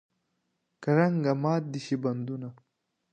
کرنګه مات دې شي بندونه.